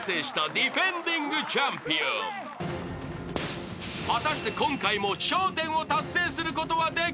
［ディフェンディングチャンピオンの実力やいかに？］